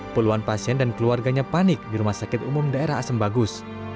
puluhan pasien dan keluarganya panik di rumah sakit umum daerah asem bagus